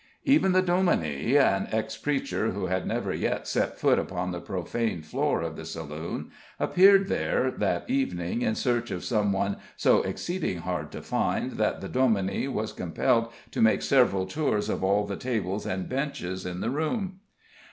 Even the Dominie an ex preacher, who had never yet set foot upon the profane floor of the saloon appeared there that evening in search of some one so exceeding hard to find that the Dominie was compelled to make several tours of all the tables and benches in the room.